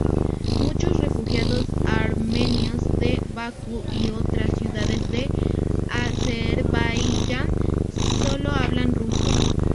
Muchos refugiados armenios de Bakú y otras ciudades de Azerbaiyán solo hablan ruso.